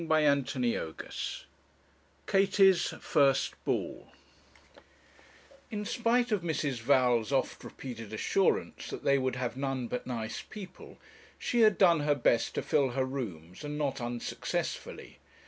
CHAPTER XXVI KATIE'S FIRST BALL In spite of Mrs. Val's oft repeated assurance that they would have none but nice people, she had done her best to fill her rooms, and not unsuccessfully.